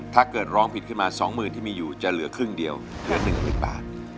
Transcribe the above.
ถ้าเกิดร้องผิดขึ้นมา๒๐๐๐ที่มีอยู่จะเหลือครึ่งเดียวเหลือ๑๐๐๐บาท